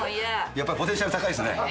やっぱりポテンシャル高いですね。